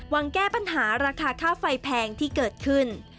แก้ปัญหาราคาค่าไฟแพงที่เกิดขึ้น